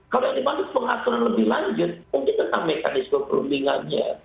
kalau dibantu pengaturan lebih lanjut mungkin tentang mekanisme perundingannya